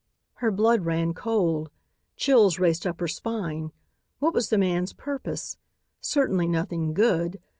Her blood ran cold. Chills raced up her spine. What was the man's purpose? Certainly nothing good.